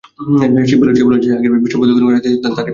শিব বলেন, যে আগে বিশ্ব প্রদক্ষিণ করে আসতে পারবে তারই আগে বিয়ে হবে।